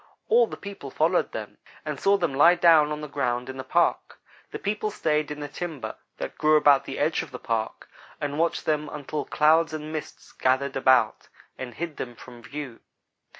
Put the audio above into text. All the people followed them and saw them lie down on the ground in the park. The people stayed in the timber that grew about the edge of the park, and watched them until clouds and mists gathered about and hid them from view.